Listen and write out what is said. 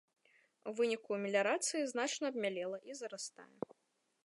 У выніку меліярацыі значна абмялела і зарастае.